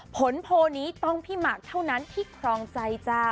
ผลโพลนี้ต้องพี่หมากเท่านั้นที่ครองใจจ้า